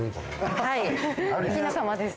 はい。